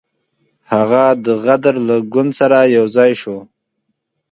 هغه د غدر له ګوند سره یو ځای شو.